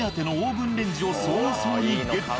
ブンレンジを早々にゲット。